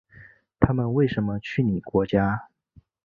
他们为什么去你国家？